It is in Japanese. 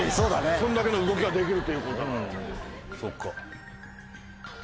こんだけの動きができるっていうことなら。